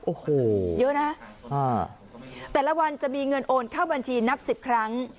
โอ้โหเยอะนะแต่ละวันจะมีเงินโอนเข้าบัญชีนับ๑๐ครั้ง